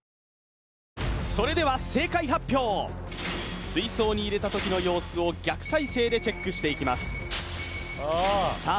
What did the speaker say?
それでは正解発表水槽に入れたときの様子を逆再生でチェックしていきますさあ